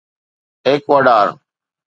Ecuador